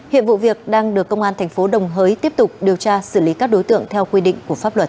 hiện vụ việc đang được công an thành phố đồng hới tiếp tục điều tra xử lý các đối tượng theo quy định của pháp luật